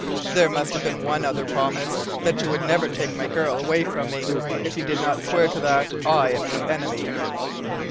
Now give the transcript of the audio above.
"There must have been one other promise, that you would never take my girl away from me. If you did not swear to that, I am your enemy!"